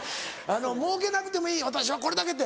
もうけなくてもいい私はこれだけって。